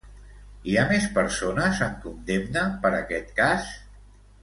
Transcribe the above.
Hi ha més persones amb condemna per aquest cas?